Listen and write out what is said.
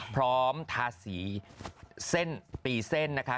พร้อมทาสีเส้นปีเส้นนะคะ